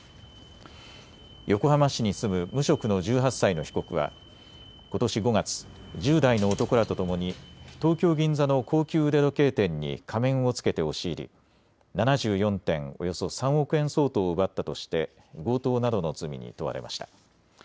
横浜市に住む無職の１８歳の被告はことし５月、１０代の男らとともに東京銀座の高級腕時計店に仮面を着けて押し入り７４点、およそ３億円相当を奪ったとして強盗などの罪に問われました。